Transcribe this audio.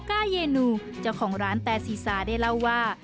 ก้าเยนูเจ้าของร้านแต่ซีซาได้เล่าว่า